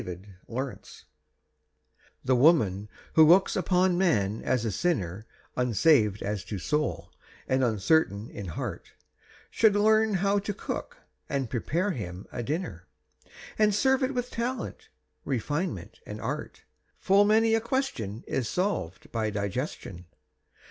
THE CUSINE The woman who looks upon man as a sinner Unsaved as to soul, and uncertain in heart, Should learn how to cook, and prepare him a dinner, And serve it with talent, refinement, and art. Full many a question is solved by digestion.